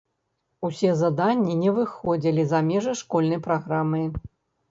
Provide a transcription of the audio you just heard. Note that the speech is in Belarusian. Усе заданні не выходзілі за межы школьнай праграмы.